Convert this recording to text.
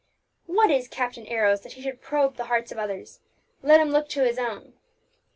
"What is Captain Arrows, that he should probe the hearts of others; let him look to his own!"